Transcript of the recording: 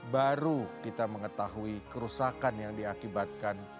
baru kita mengetahui kerusakan yang diakibatkan